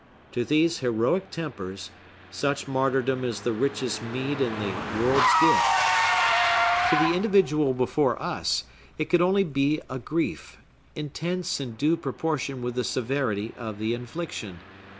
To these heroic tempers, such martyrdom is the richest meed in the world's gift. To the individual before us, it could only be a grief, intense in due proportion with the severity of the infliction.